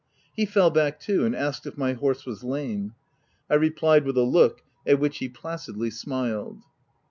He fell back too, and asked if my horse was lame. I replied, with a look — at which he placidly smiled.